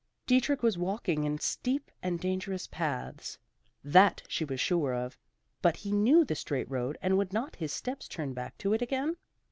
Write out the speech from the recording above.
Dietrich was walking in steep and dangerous paths; that she was sure of, but he knew the straight road and would not his steps turn back to it again?